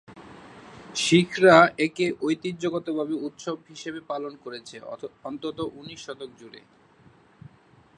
শিখরা একে ঐতিহ্যগতভাবে উৎসব হিসেবে পালন করেছে, অন্তত উনিশ শতক জুড়ে।